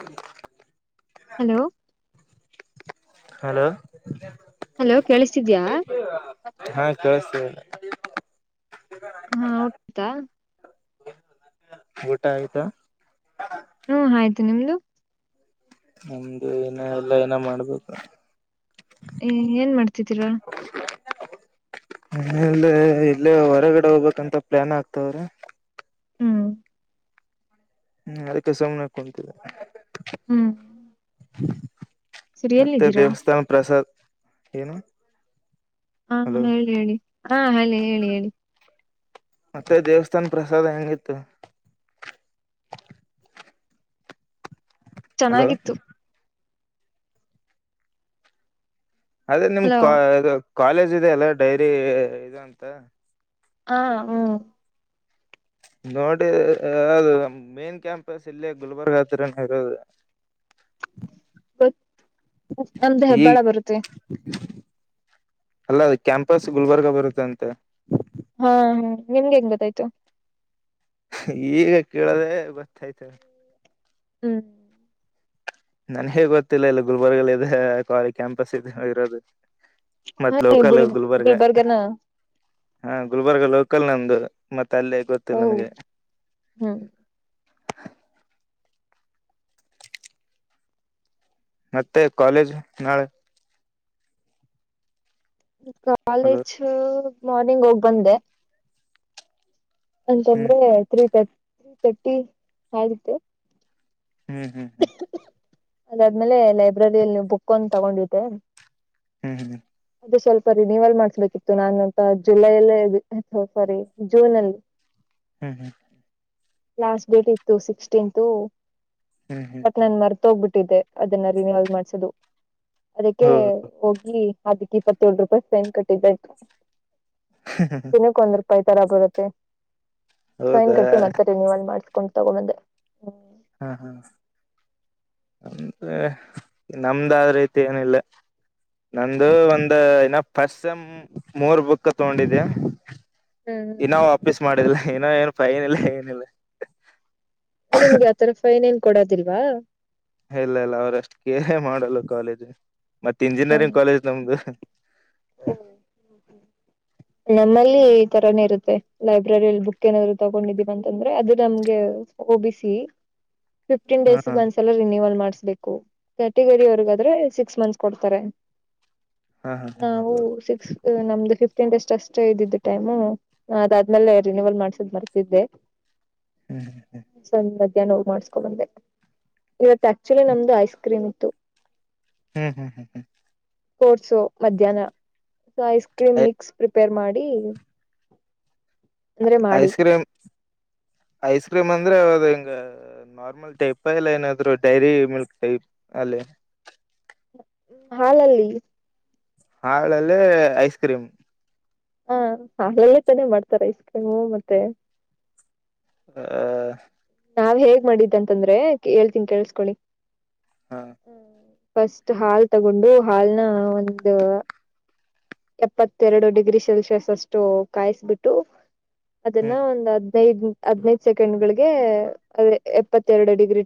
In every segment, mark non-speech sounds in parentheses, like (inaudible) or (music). ಹ್ಮ hello. Hello hello ಕೇಳಿಸ್ತಿದ್ಯಾ ಹಾ ಕೇಳತ ಹಾ ಟ್ಟಿತಾ ಗಊಟಾಗಿತ ಹ್ಮ ಆಯ್ತು ನಿಮ್ದು ನಮ್ದು ಏನ ಎಲ್ಲಾ ಏನ ಮಾಡ್ಬೇಕು ೀರ (unintelligible) ಮ ಇಲ್ಲೇ ಹೊರಗಡೆ ಹೋಗ್ಬೇಕಂತ ಪ್ಲಾನ್ ಆಗ್ತವ್ರ ಹ್ಮ್ ಹ್ಮ ಅದಕ್ಕೆಸಮನ ಹಾಕ ಕುಂತ ಹ್ಮ್ ಸರಿ ಮತ್ತೆ ಎಲ್ಲಿದ್ದೀರಾ ದೇವಸ್ಥಾನ ಪ್ರಸಾದ್ ಏನು ಹಾ ಹಲೋ ಹೇಳಿ ಹೇಳಿ ಹಾ ಹೇಳಿ ಹೇಳಿ ಹೇಳಿ ಮತ್ತೆ ದೇವಸ್ಥಾನ್ ಪ್ರಸಾದ ಹೆಂಗಿತ್ತು ಹಲೋ ಚೆನ್ನಾಗಿತ್ತು ಅದೇ ನಿಮ್ ಹಲೋ ಕಾಲೇಜ್ ಇದೆ ಅಲ್ಲ ಡೈರಿ ಇದು ಅಂತ ಹಾ ಹ್ಮ್ ನೋಡಿ ಅದು ಮೇನ್ ಕ್ಯಾಂಪಸ್ ಇಲ್ಲಿ ಗುಲ್ಬರ್ಗ ಹತ್ರರನ ಇರೋದು (unintelligible) ನಮ್ದು ಈಗ ಹೆಬ್ಬಾಳ ಬರುತ್ತೆ ಅಲ್ಲ ಕ್ಯಾಂಪಸ್ ಗುಲ್ಬರ್ಗ ಬರುತ್ತೆಂತೆ ಹಾ ಹಾ ನಿಮ್ಗೆ ಹೆಂಗ್ ಗೊತ್ತಾಯ್ತು ಈಗ ಕೇಳದ ಗೊತ್ತಾಯ್ತ ಹ್ಮ್. ನನ್ ಹೇಗ್ ಗೊತ್ತಿಲ್ಲ ಇಲ್ಲ ಗುಲ್ಬರ್ಗ ಅ ಇದೆ ಕಾಲೇಜ್ ಕ್ಯಾಂಪಸ್ ಇದೆ ಹೋಗ ಇರೋದು ಹಾ ಮತ್ತ್ ಲೋಕಲ್ ಗುಲ್ ಗುಲ್ಬರ್ಗ ಗುಲ್ಬರ್ಗನ ಹಾ ಗುಲ್ಬರ್ಗ ಲೋಕಲ್ ನಂದು ಮತ್ತೆ ಅಲ್ಲೇ ಓ ಗೊತ್ತಿಲ್ಲ ನನ್ಗೆ ಹ್ಮ್ ಮತ್ತೆ ಕಾಲೇಜ್ ನಾಳೆ ಹಲೋ ಕಾಲೇಜ್ ಮಾರ್ನಿಂಗ್ ಹೋಗ್ ಬಂದೆ ಹ್ಮ್ ಅಂತಂದ್ರೆ ತ್ರೀ ತರ್ ತ್ರೀ ತರ್ಟಿ ಆ ಹ್ಮ್ ಹ್ಮ್ ಹ್ಮ್. ಅದಾದ್ಮೇಲೆ ಲೈಬ್ರರಿಯಲ್ಲಿ ನೀವು ಬುಕ್ ಒಂದು ತಗೊಂಡಿದ್ದೆ ಹ್ಮ್ ಹ್ಮ್ ಅದು ಸ್ವಲ್ಪ ರಿನವಲ್ ಮಾಡ್ಸ್ಬೇಕಿತ್ತು ನಾನು ಅಂತ ಜುಲೈಲ್ಲ ಸಾರಿ ಜೂನ್ ಅಲ್ಲಿ ಹ್ಮ್ ಹ್ಮ್ ಲಾಸ್ಟ್ ಡೇಟ್ ಇತ್ತು ಸಿಕ್ಸ್ಟೀನ್ತ್ ಹ್ಮ್ ಹ್ಮ್ ಬಟ್ ನನ್ ಮರ್ತ ಹೋಗ್ಬಿಟ್ಟ ಅದನ್ನ ರಿಯಲ್ ಮಾಡಸೋದು ಅದಕ್ಕೆ ಹೋ ಹೋಗಿ ಆ ಇಪ್ಪತ್ತೇಳಳ್ ರೂಪಾಯ ಸೈನ್ ಕಟ್ಟಿದ್ದ ದಿನಕ್ ಒಂದ ಪ್ಪೈ ತರ ಬರುತ್ತೆ ಹೌದಾ ನೀವಲ್ಲಿ ಮಾಡಸ್ಕೊಂಡ್ ತಗೊಂಡದೆಮ ಹ್ಮ್ ಹ್ಮ್ ಅಂದ್ರೆ ನಮ್ದಾದ ರೀತಿ ಏನಿಲ್ಲ ನಂದು ಒಂದ ಇನ ಪಸ್ ಮೂರ್ ಬುಕ್ ತಗೊಂಡಿದ್ಯಾ ಹ್ಮ್ ಇನ್ನೋ ವಾಪೀಸ್ ಮಾಡಿಲ್ಲ ಇನ್ನೋ ಏನು ಫೈನ್ ಇಲ್ಲ ಏನಿಲ್ಲ ನಿಮ್ಗೆ ಆತರ ಫೈನ್ ಏನ್ ಕೊಡೋದಿಲ್ವಾ ಇಲ್ಲ ಇಲ್ಲ ಅವ್ರಷ್ಟು ಕೇರೆ ಮಾಡಲ್ಲ ಕಾಲೇಜ್ ಮತ್ತೆ ಹ ಇಂಜಿನಿಯರಿಂಗ್ ಕಾಲೇಜ್ ನಮ್ದು (inaudible) ನಮ್ಮಲ್ಲಿ ಈ ತರಾನೇ ಇರುತ್ತೆ ಲೈಬ್ರರಿಯಲ್ಲಿ ಬುಕ್ ಏನಾದ್ರು ತಗೊಂಡಿದ್ದೀವ ಅಂತಂದ್ರೆ ಅದು ನಮ್ಗೆ ಓಬ ಸಿ ಫಿಫ್ಟೀನ್ ಹಾ ಡೇಸ್ ಹಾ ಒಂದ್ಸಲ ರಿನಯವಲ್ ಮಾಡ್ಸ್ಬೇಕು ಕ್ಯಾಟಗರಿವರ್ಗಾದ್ರೆ ಸಿಕ್ಸ್ ಮಂತ್ಸ್ ಕೊಡ್ತಾರೆ ಹಾ ಹಾ ಹಾ ನಾವು ಹ್ಮ್ ಸಿಕ್ಸ್ ನಮ್ದು ಫಿಫತ್ ಂತಷ್ಟ ಅಷ್ಟು ಇದಿದ್ದು ಟೈಮು ಅದಾದ್ಮೇಲೆ ರಿನವಲ್ ಮಾಡಸದ್ ಮರ್ತಿದ್ದೆ ಸಂದ ಹೋಗ ಮಾಡ್ಸ್ಕೊಬಂದೆ ಇವತ್ತು ಆಕ್ಚುಲಿ ನಮ್ದು ಐಸ್ ಕ್ರೀಮ್ ಇತ್ತು ಹ್ಮ್ ಹ್ಮ್ ಹ್ಮ್ ಹ್ಮ್ ಕೋರ್ಸು ಮಧ್ಯಾಹ್ನ ಐಸ್ ಕ್ರೀಮ್ ಮಿಕ್ಸ್ ಪ್ರಿಪೇರ್ ಮಾಡಿ ಅಡಿ ಐಸ್ ಕ್ರೀಮ್ ಐಸ್ ಕ್ರೀಮ್ ಅಂದ್ರೆ ಅದು ಹಿಂಗ ನಾರ್ಮಲ್ ಟೈಪ್ ಎಲ್ಲ ಏನಾದ್ರು ಡೈರಿ ಮಿಲ್ಕ್ ಟೈಪ್ ಅಲ್ಲಿ ಹಾಲಲ್ಲಿ ಹಳಲ್ಲಿ ಐಸ್ ಕ್ರೀಮ್ ಹಾ ಹಾಲಲ್ಲಿ ತಾನೇ ಮಾಡ್ತಾರೆ ಐಸ್ ಕ್ರೀಮು ಮತ್ತೆ ಹ ನಾವ್ ಹೇಗ್ ಮಾಡಿದ್ದ ಅಂತಂದ್ರೆ ಹೇಳ್ತನ್ ಕೇಸ್ಕೊಳಿ ಹಾ ಫಸ್ಟ್ ಹಾಲ್ ತಗೊಂಡು ಹಾಲ್ನ ಒಂದು ಎಪ್ಪತ್ತೆರಡು ಡಿಗ್ರಿ ಸೆಲ್ಸಿಯಸ್ ಅಷ್ಟು ಕಾಯಿಸಬಿಟ್ಟು ಅದನ್ನ ಹ್ಮ್ ಒಂದ್ ಹದ್ನೈದ ಹದ್ನೈದ ಸೆಕೆಂಡ್ ಗೆ ಅದೇ ಎಪ್ಪತ್ತೆರಡು ಡಿಗ್ರಿ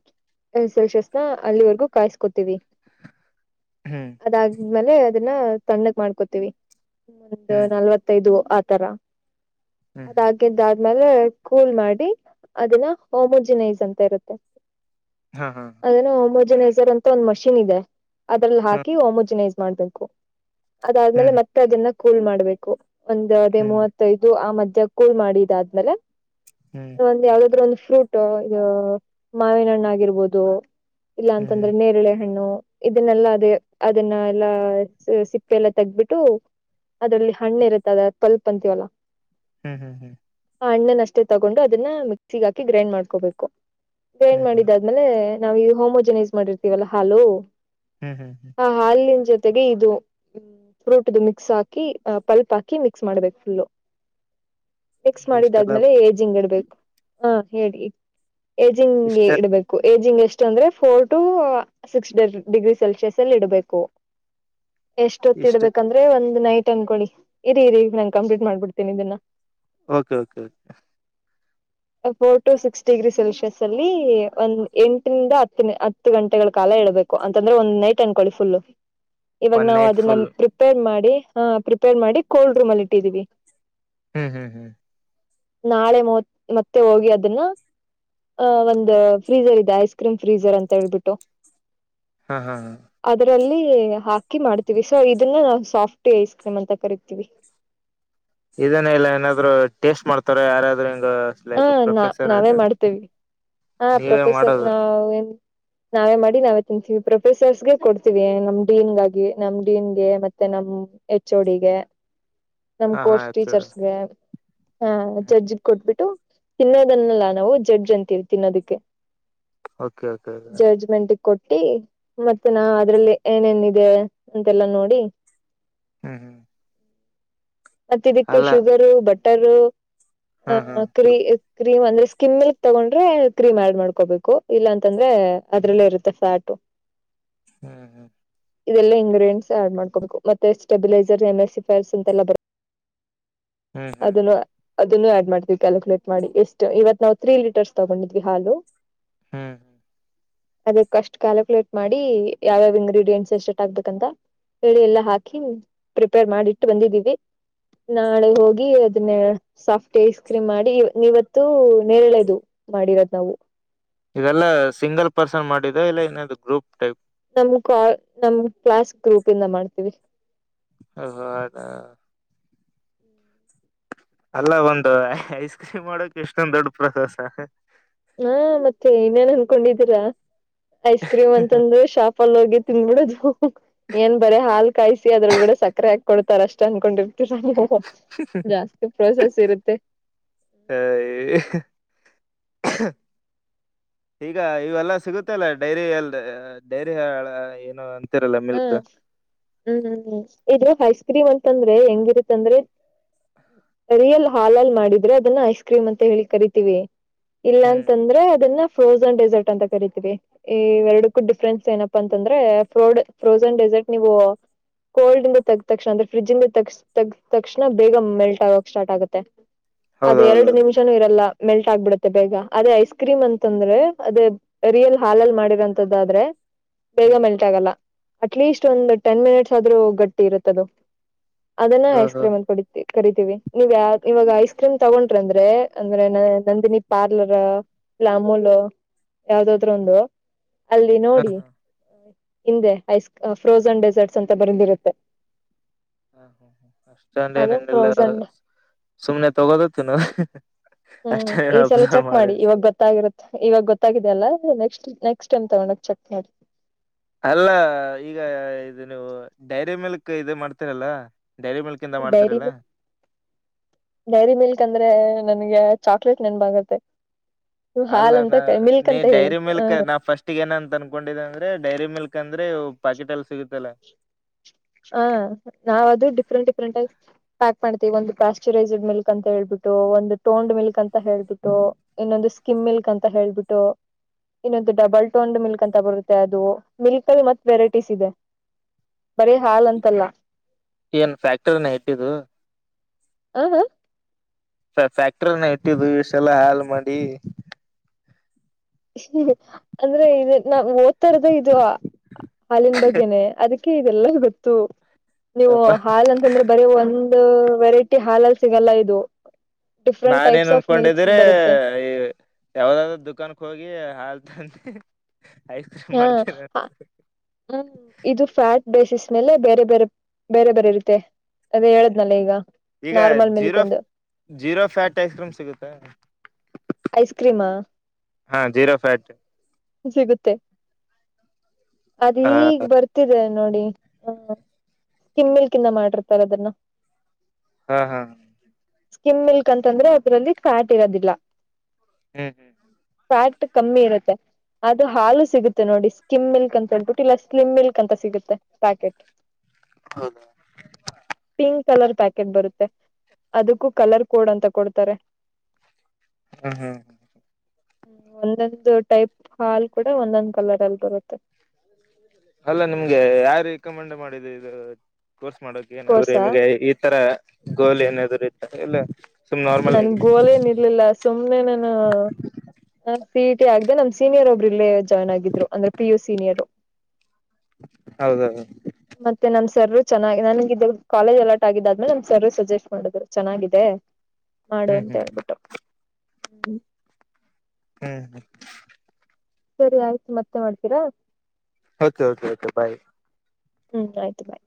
ಸೆಲ್ಸಿಯಸ್ ನ ಅಲ್ಲಿವರೆಗೂ ಕಾಯಸ್ಕೋತೀವಿ ಹ್ಮ್ ಅದಾದ್ಮೇಲೆ ಅದನ್ನ ತಣ್ಣಕ್ ಮಾಡ್ಕೊತೀವಿ ಒಂದು ನಲ್ವತ್ತೈದು ಆತರ ಹ್ಮ್ ಹ್ಮ್ ಅದಾಗಿದ್ದ ಆ್ಮಲೆ ಕೂಲ್ ಮಾಡಿ ಅದಿನ ಹೋಮುಜಿನೈಜ್ ಅಂತ ಇರುತ್ತೆ ಹಾ ಹಾ ಅದನ್ನು ಹಓಮೋಜಿನೈಸರ್ ಅಂತ ಒಂದ್ ಮಷಿನ್ ಇದೆ ಅದ್ರಲ್ಲಿ ಹ್ಮ್ ಹಾಕಿ ೋಮೋಜಿನೈಸ ಮಾಡ್ಬೇಕು ಅದಾದ್ಮೇಲೆ ಮತ್ತೆ ಅದನ್ನ ಕೂಲ್ ಮಾಡ್ಬೇಕು ಒಂದದೇ ಹ್ಮ್ ಮೂವತ್ತೈದು ಆ ಮಧ್ಯ್ಯಾ ಕೂಲ್ ಮಾಡಿದಾದ್ಮೇಲೆ ಹ್ಮ್ ಒಂದ್ ಯಾವ್ದಾದ್ರು ಒಂದು ಫ್್ರಟೋ ಇದು ಮಾವಿನ ಹಣ್ಣು ಆಗಿರ್ಬೋದು ಹ್ಮ್ ಹ್ಮ್ ಇಲ್ಲಾಂತಂದ್ರೆ ನೇರಳೆ ಹಣ್ಣು ಇದನ್ನೆಲ್ಲಾ ಅದೇ ಅದನ್ನ ಎಲ್ಲಾ ಸಿಪ್ಪೆ ಎಲ್ಲ ತೆಗಬಿಟ್ಟು ಅದ್ರಲ್ಲಿ ಹಣ್ಣು ಇರುತ್ತ ಅದ ತಲ್ಪ್ ಅಂತೀವಲ್ಲ ಹ್ಮ್ ಹ್ಮ್ ಹ್ಮ್ ಆ ಹಣ್ಣನ್ ಅಷ್ಟೇ ತಗೊಂಡು ಅದನ್ನ ಮಿಕ್ಸಿಗೆ ಹಾಕಿ ಗ್ರೈಂಡ್ ಮಾಡ್ಕೋಬೇಕು ಗ್ರೈಂಡ್ ಹ್ಮ್ ಹ್ಮ್ ಹ್ಮ್ ಮಾಡಿದಾದ್ಮೇಲೆ ನಾವವು ಈ ಹೋಮೋಜನೈಸ್ ಮಾಡಿರ್ತೀವಲ್ಲ ಹಾಲು ಹ್ಮ್ ಹ ಹಾಾಲ ಜೊತೆಗೆ ಇದು ಫ್ರೂಟ್ ಇದು ಮಿಕ್ಸ್ ಹಾಕಿ ಪಲ್ಪ್ ಹಾಕಿ ಮಿಕ್ಸ್ ಮಾಡ್ಬೇಕು ಫುಲ್ಲು (inaudible) ಮಕ್ಸ್ ಇಷ್ಟೆಲ್ಲ ಮಾಡಿದಾದ್ಮೇಲೆ ಏಜ್ ಹಿಂಗ್ ಇಡ್ಬೇಕು ಹ ಹೇಳಿ ಏಜಿಂಗ್ಗೆ ಇಷ್ಟ ಇಡಬೇಕು ಏಜಿಂಗ್ ಎಷ್ಟ ಎಟ್ ಅಂದ್ರೆ four to six degree Celsius ಅಲ್ಲಿ ಇಡಬೇಕು ಇಷ್ಟ ಎಷ್ಟೊತ್ತಿಡ್ಬೇಕಂದ್ರೆ ಒಂದ್ ನೈಟ್ ಅನ್ಕೊಳಿ ಇರಿ ಇರಿ ನಾನ್ ಕಂಪ್ಲೀಟ್ ಮಾಡ್ಬಿಡ್ತೀನಿ ಇದನ್ನ ಓಕೆ ಓಕೆ ಕೆ four to six degree Celsius ಅಲ್ಲಿ ಒಂದ್ ಎಂಟನಂದ ಹತ್ತ ಹತ್ತು ಗಂಟೆಗಳ ಕಾಲ ೇಬೇಕು ಅಂತಂದ್ರೆ ಒಂದ ನೈಟ್ ಅನ್ಕೊಳ್ಳಿ ಫುಲ್ ಇವಾಗ ಒನ್ ನಾವವು ನೈಟ್ ಅದನ್ನ ಫುಲ್ ಪ್ರಿಪೇರ್ ಮಾಡಿ ಹ ಪ್ರಿಪೇರ್ ಮಾಡಿ ಕೋಲ್ಡ್ ರೂಮ್ ಅಲ್ಲಿ ಇಟ್ಟಿದೀವಿ ಹ್ಮ್ ಹ್ಮ್ ಹ್ಮ್ ನಾಳೆ ಮತ್ ಮತ್ತೆ ಹೋಗಿ ಅದನ್ನ ಆ ಒಂದು ಫ್ರೀಸರ್ ಇದೆ ಐಸ್ ಕ್ರೀಮ್ ಫ್ರೀಸರ್ ಅಂತ ಹೇಳ್ಬಿಟ್ಟು ಹ್ಮ ಹಾ ಹ ಅದ್ರಲ್ಲಿ ಹಾಕಿ ಮಾಡ್ತೀವಿ ಸೊ ಇದನ್ನ ನಾವು ಸಾಫ್ಟ ಐಸ್ ಕ್ರೀಮ್ ಅಂತ ಕರಿತೀವಿ ಇದೇನ ಇಲ್ಲ ಏನಾದ್ರು ಟೇಸ್ಟ್ ಮಾಡ್ತಾರ ಯಾರಾದ್ರರು ಹಾ ನಾ ನಾವೇ ಮಾಡ್ತೇವಿ ಹ ನೀವೇ ಪ್ರೊಫೆಸರ್ ಮಾಡೋದು ನಾವ ನ್ ನಾವೇ ಮಾಡಿ ನಾವೇ ತಿಂತೀವಿ ಪ್ರೊಫೆಸರ್ಸ್ಗೆ ಕೊಡ್ತೀವಿ ನಮ್ ಡನ್ಗಾಗಿ ನಮ್ ಡಿನ್ಗೆ ಮತ್ತೆ ನಮ್ ಹ್ಮ ಹೆಚ್ಚೋಡಿಗೆ ನಮ್ ಹಾ ಹಾ ಕೋರ್ಸ್ ಆಕ್ಚುಡ್ ಟೀಚರ್ಸ್ಗೆ ಹ ಜಜಜಗ್ ಕೊಟ್ಬಿಟ್ಟು ತಿನ್ನೋದನ್ನಲ್ಲಾ ನಾವು ಜಡ್್ರ್ ಅಂತೀವಿ ಅದುಕ್ಕೆ ಓಕೆ ಓಕೆ ಕೊಟ್ಟಿ ಮತ್ತೆ ನಾ ಅದ್ರಲ್ಲಿ ಏನೇನ್ಿದೆ ಅಂತೆಲ್ಲಾ ನೋಡಿ ಹ್ಮ್ ಹ್ಮ್ ಮತ್ತ ಇದಕ್ಕೆ ಅಲ್ಲ ಶುಗರು ಬಟರು ಹ್ಮ್ ಅ ಹ್ಮ್ ಕ್ರೀ ಕ್ರೀಮ್ ಅಂದ್ರೆ ಸ್ಕಿಮ್ ಮಿಲ್ಕ್ ತಗೊಂಡ್ರೆ ಕ್ರೀಮ್ ಆಡ್ ಮಾಡ್ಕೋಬೇಕು ಇಲ್ಲಾ ಅಂತಂದ್ರೆ ಅದ್ರಲ್ಲೇ ಇರುತ್ತೆ ಫ್ಯಾಟ ಹ್ಮ್ ಹ್ಮ್ ಇದೆಲ್ಲ ಇಂಗ್ರಿಡಿಯಂಟ್ಸ್ ಆಡ್ ಮಾಡ್ಕೋಬೇಕು ಮತ್ತೆ ಸ್ಟೆಬಿಲೈಸರ್ ಎಮಸಿಫೈರ್ಸ್ ಅಂತೆ ಬ ಹ್ಮ್ ಹ್ಮ್ ಹ್ಮ್ ಇನ್ನು ಆಡ್ ಮಾಡ್ತೀವಿ ಕ್ಯಾಲ್ಕುಲೇಟ್ ಮಾಡಿ ಎಷ್ಟು ಇವತ್ ನಾವು ತ್ರೀ ಲೀಟರ್ಸ್ ತಗೊಂಡಿದ್ವಿ ಹಾಲು ಹ್ಮ್ ಹ್ಮ್ ಅದಕ್ ಅಷ್ಟು ಕ್ಯಾಲ್ಕುಲೇಟ್ ಮಾಡಿ ಯಾವ್ಯಾವ ಇಂಗ್ರೀಡಿಯೆಂಟ್ಸ್ ಎ ಸೆಟ್ ಆಗ್ಬೇಕಂತ ಎಳಿ ಎಲ್ಲಾ ಹಾಕಿ ಪ್ರಿಪೇರ್ ಮಾಡಿಟ್ಟು ಬಂದಿದ್ದೀವಿ ನಾಳೆ ಹೋಗಿ ಅದನ್ನ ಸಾಫ್ಟ್ ಏಸ್ ಕ್ರೀಮ್ ಮಾಡಿ ನೀವತ್ತು ನೇರಳೆದು ಮಾಡಿರೋದ್ ನಾವು ಇದೆಲ್ಲ ಸಿಂಗಲ್ ಪರ್ಸನ್ ಮಾಡಿದ್ದ ಇಲ್ಲ ಇನ್ನ ಗ್ರೂಪ್ ಟೈಪ್ ನಮ ಕ ನಮ್ ಕ್ಲಾಸ್ ಗ್ರೂಪ್ ಇಂದ ಮಾಡ್ತೀವಿ ಹಓಹ ಅದಾ ಅಲ್ಲ ಒಂದು ಐಸ್ ಕ್ರೀಮ್ ಮಾಡಕ್ ಎಷ್ಟೊಂದ್ ದೊಡ್ ಪ್ರವಾಸ ಹಾ ಮತ್ತೆ ಇನ್ನೇನ್ ಅನ್ಕೊಂಡಿದ್ದೀರಾ ಐಸ್ ಕ್ರೀಮ್ ಅಂತಂದ್ರ ಶಾಪಲ್ಲಿ ಹೋಗಿ ತಿನ್ಬಿಡದು ಏನ್ ಬರ ಹಾಲು ಕಾಯಿಸಿ ಅದ್ರೊಳಗಡೆ ಸಕ್ಕರೆ ಆಾಕ್ತ ಕೊಡ್ತಾರ ಅಷ್ಟ ಅನ್ಕೊಂಡಿರ್ತರ ಜಾಸ್ತಿ ಪ್ರೋಸೆಸ್ ಇರುತ್ತೆ ಹ ಈಗ ಇವೆಲ್ಲಾ ಸಿಗುತ್ತೆ ಅಲ್ಲ ಡೈರಿ ಎಲ್ ಡೈರಿ ಏನು ಅಂತಿರಲ್ಲ ಹ್ಮ್ ಮಿಲ್ಕ್ ಹ್ಮ್ ಹ್ಮ್ ಹ್ಮ್ ಇದು ಹೈಸ್ಕೂ ೀ ಮಂತ ಅಂದ್ರೆ ಹೆಂಗಿರುತ್ತಂದ್ರೆ ರಿಯಲ್ ಹಾಲಲ್ಲಿ ಮಾಡಿದ್ರೆ ಅದನ್ನ ಐಸ್ ಕ್ರೀಮ್ ಅಂತ ಹೇಳಿ ಕರಿತೀವಿ ಇಲ್ಲ ಹ್ಮ್ ಅಂತಂದ್ರೆ ಅದನ್ನ ಫ್ರೋಸನ್ ಡೆಸರ್ಟ್ ಅಂತ ಕರಿತೀವಿ ಈ ಎರಡಕ್ಕೂ ಡಿಫ್ರೆನ್ಸ್ ಏನಪ್ಪಾ ಅಂತಂದ್ರೆ ಫ್ರೋಡ್ ಫ್ರೋಸನ್ ಡೆಸರ್ಟ್ ನಿವೋ ಕೋಲ್ಡ್ ಇಂದ ತಗ ತಕ್ಷಣ ಅಂದ್ರೆ ಫ್ರಿಜ ಇಂದ ತ ತಗ್ದ ತಕ್ಷಣ ಬೇಗ ಮೆಲ್ಟ್ ಆಗೋಕ್ ಸ್ಟಾರ್ಟ್ ಆಗುತ್ತೆ ಅದ ಎರಡು ಹೌದೌದೌದು ನಿಮಿಷನುೂ ಇರಲ್ಲ ಮೆಲ್ಟ್ ಆಗ್ಬಿಡುತ್ತೆ ಬೇಗ ಅದೇ ಐಸ್ ಕ್ರೀಮ್ ಅಂತಂದ್ರೆ ಅದೇ ರಿಯಲ್ ಹಾಲಲ್ಲಿ ಮಾಡಿರರಂತಾದ್ರೆ ಬೇಗ ಹ್ಮ್ ಮೆಲ್ಟ್ ಆಗಲ್ಲ ಅಟ್ಲೀಸ್ಟ್ ಒಂದು ಟೆನ್ ಮಿನಿಟ್ಸ್ ಆದ್ರೂ ಗಟ್ಟಿ ಇರುತ್ತದು ಅದನ್ನ ಹ ಐಸ್ ಹ ಕ್ರೀಮ್ ಅಂತ (unintelligible) ಕರಿತೀವಿ ಇಗ ಇವಾಗ ಐಸ್ ಕ್ರೀಮ್ ತಗೊಂಡ್ರ ಅಂದ್ರೆ ಅಂದ್ರೆ ನ ನಂದಿನಿ ಪಾರ್ಲರ್ ಅಮುಲ್ ಯಾವ್ದಾದ್ರೊಂದು ಅಲ್ಲಿ ಹಾ ನೋಡಿ ಹಾ ಹಿಂದೆ ಐಸ್ ಫ್ರೋಸನ್ ಡೆಸರ್ಟ್ಸ್ ಅಂತ ಬರಿಂದಿರುತ್ತೆ ಅಸ್ಟೊಂದು (unintelligible) ನಿನ್ನಲ್ಲ ಫ್ರೋಸನ್ ಸುಮ್ನೆ ತಗೋದು ತಿನ್ನೋದು ಹ್ಮ್ ಅಷ್ಟೇ ಈ ಸಲ ಅಬ್ಸರ್ವ್ ಚೆಕ್ ಮಾಡಿ ಇವಾಗ ಗೊತ್ತಾಗಿರುತ್ತೆ ಇವಾಗ ಗೊತ್ತಾಗಿದೆಯಲ್ಲ ನೆಕ್ಸ್ಟ್ ನೆಕ್ಸ್ಟ್ ಟೈಮ್ ತಗೊಂಡಾಗ ಚೆಕ್ ಮಾಡಿ ಅಲ್ಲ ಈಗ ಇದು ನೀವು ಡೈರಿ ಮೇಲ್ಕ್ ಇದು ಮಾಡ್ತೀರಲ್ಲ ಡೈರಿ ಮಿಲ್ಕ್ ಡೈರಿ ಮಿಲ್ಕ್ ಅಂದ್ರೆ ನನ್ಗೆ ಚಾಕ್ಲೇಟ್ ನೆನಪಾಗುತ್ತೆ ಅಲ್ಲ ನ ನೀ ಹೇಳಿ ಡೈರಿ ಹ ಮಿಲ್ಕ್ ನಾ ಫಸ್ಟ್ಗ ಏನಂತ ಅನ್ಕೊಂಡಿದ್ದ ಅಂದ್ರೆ ಡೈರಿ ಮಿಲ್ಕ್ ಅಂದ್ರೆ ಪಾಕೆಟ್ ಅಲ್ಲಿ ಸಿಗುತಲ್ಲ ಹ ನಾವ್ ಅದು ಡಿಫ್ರೆಂಟ್ ಡಿಫ್ರೆಂಟ್ ಆಗ ಪ್ಯಾಕ್ ಮಾಡ್ತೇವಿ ಒಂದು ಪಾಶ್ಚರೈಸಡ್ ಮಿಲ್ಕ್ ಅಂತ ಹೇಳ್ಬಿು ಒಂದು ಟೋಂಡ್ ಮಿಲ್ಕ್ ಅಂತ ಹೇಳ್ಬಿಟ್ಟು ಇನ್ನೊಂದು ಸ್ಕಿಮ್ ಮಿಲ್ಕ್ ಅಂತ ಹೇಳ್ಬಿಟ್ಟು ಇನ್ನೊಂದು ಡಬಲ್ ಟೋಂಡ್ ಮಿಲ್ಕ್ ಅಂತ ಬರುತ್ತೆ ಅದು ಮಿಲ್ಕ್ ಅಲ್ಲಿ ಮತ್ ವೆರೈಟೀಸ್ ಇದೆ (inaudible) ಬರೀ ಹಾಲ್ ಅಂತಲ್ಲ ಏನ್ ಫ್ಯಾಕ್ಟ್ರಿನ ಇಟ್ಟಿದ್ದು ಹಾ ಹಾ ಫ್ಯಾಕ್ಟರಿನ ಇಟ್ಟಿದ್ದು ಇಸ್ಟ ಎಲ್ಲ ಹಾಲ್ ಮಾಡಿ ಅಂದ್ರೆ ಇದು ನಾ ಓದ್ತಾಇರೋದೆ ಇದು ಹಾಲಿನ ಬಗ್ಗೆನೆ ಅದಕ್ಕೆ (unintelligible) ಇದೆಲ್ಲ ಗೊತ್ತು ನೀವು ಅಪ್ಪ ಹಾಲ್ ಅಂತಂದ್ರೆ ಬರಿ ಒ ಒ ವೆರೈಟಿ ಹಾಲಲ್ಲಿ ಸಿಗಲ್ಲ ಇದು ಡಿಫ್ರೆಂಟ್ ನಾನ್ ಏನ್ ಟೈಪ್ಸ್ ಆಫ್ ಮಿಲ್ಕ್ಸ್ ಅನ್ಕೊಂಡಿದಿರೆ ಬರುತ್ತೆ ಈ ಯಾವ್ದಾದ ದುಖಾನ್ಕ್ ಹೋಗಿ ಗೆ (unintelligible) ಹಾಲ್ತಂತೆ ಹಾ ಹ್ಮ ಇದು ಫ್ಯಾಟ್ ಬೇಸಿಸ್ ಮೇಲೆ ಬೇರೆ ಬೇರೆ ಬೇರೆ ಬೇರೆ ಇರುತ್ತೆ ಅದೇ ಹೇಳದ್ನಲ್ಲ ಈಗ ಈಗ ನಾರ್ಮಲ್ ಮಿಲ್ಕ್ ಜೀರೋ ಒಂದು ಜೀರೋ ಫ್ಯಾಟ್ ಐಸ್ ಕ್ರೀಮ್ ಸಿಗುತ್ತ ಐಸ್ ಕ್ರೀಮಾ ಹಾ ಜೀರೋಫ್ಯಾಟ್ ಸಿಗುತ್ತೆ ಅದು ಹಾ ಈಗ ಬರ್ತಿದೆ ನೋಡಿ ಹ ಸ್ಕೀಮ್ಮಿಲ್ಕಿಂದ ಮಾಡಿರ್ತಾರ ಅದನ್ನ ಹಾ ಹಾ ಸ್ಕಿಮ್ ಮಿಲ್ಕ್ ಅಂತಂದ್ರೆ ಅದ್ರಲ್ಲಿ ಫ್ಯಾಟ್ ಇರೋದಿಲ್ಲ ಹ್ಮ್ ಫ್ಯಾಟ್ ಕಮ್ಮಿ ಇರುತ್ತೆ ಅದು ಹಾಲು ಸಿಗುತ್ತೆ ನೋಡಿ ಸ್ಕಿಮ್ ಮಿಲ್ಕ್ ಅಂತ ಹೇಳ್ಬಿಟ್ಟು ಇಲ್ಲ ಸ್ಲಿಮ್ ಮಿಲ್ಕ್ ಅಂತ ಸಿಗುತ್ತೆ ಪ್ಯಾಕೆಟ್ ಹ್ಮ್ ಪಿಂಕ್ ಕಲರ್ ಪ್ಯಾಕೆಟ್ ಬರುತ್ತೆ ಅದಕ್ಕೂ ಕಲರ್ ಕೋಡ್ ಅಂತ ಕೊಡ್ತಾರೆ ಹ್ಮ್ ಒಂದೊಂದು ಟೈಪ್ ಹಾಲ್ ಕೂಡ ಒಂದೊಂದ್ ಕಲರ್ ಅಲ್ಲಿ ಬರುತ್ತೆ ಅಲ್ಲ ನಿಮ್ಗೆ ಯಾರ ರೆಕಮೆಂಡ್ ಮಾಡಿದ್ದು ಇದು ಕೋರ್ಸ್ ಮಾಡೋಕ ಏನಾದ್ರು ಕೋರ್ಸ ನಿಮ್ಗೆ ಈ ತರ ಗೋಲ್ ಏನಾದ್ರು ಇತ್ತ ಇಲ್ಲ ಸುಮ್ ನಾರ್ಮಲ್ ನನ್ ಆಗಿ ಗೋಲೇನ್ ಇರ್ಲಿಲ್ಲ ಸುಮ್ನೆ ನಾನು ಸಿ ಇ ಟಿ ಆಗ್ದ ನಮ್ ಸೀನಿಯರ್ ಒಬ್ಬ್ರ ಇಲ್ಲೇ ಜಾಯ್ನ್ ಆಗಿದ್ರು ಅಂದ್ರೆ ಪಿ ಯು ಸೀನಿಯರು ಹೌದೌದು ಸರ್ರು ಚೆನ್ನಾಗಿ ನನ್ಗೆ ಕಾಲೇಜ್ ಅಲಾಟ್ ಆಗಿದ್ದಾದ್ಮೇಲೆ ನಮ್ ಸರ್ರು ಸಜೆಸ್ಟ್ ಮಾಡಿದ್ರು ಚೆನ್ನಾಗಿದೆ ಮಾಡು ಹ್ಮ್ ಅಂತ ಹ್ಮ್ ಹೇಳ್ಬಿಟ್ಟು ಹ್ಮ್ ಹ್ಮ್ ಹ್ಮ್ ಸರಿ ಆಯ್ತು ಮತ್ತೆ ಮಾಡ್ತೀರಾ ಓಕೆ ಓಕೆ ಓಕೆ ಬಾಯ್ ಹ್ಮ್ ಆಯ್ತು ಬಾಯ್